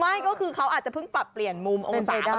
ไม่ก็คือเขาอาจจะเพิ่งปรับเปลี่ยนมุมโอเคได้